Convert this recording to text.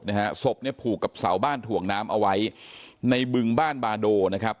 นะฮะศพเนี่ยผูกกับเสาบ้านถ่วงน้ำเอาไว้ในบึงบ้านบาโดนะครับ